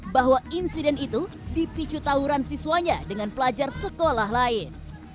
bahwa insiden itu dipicu tawuran siswanya dengan pelajar sekolah lain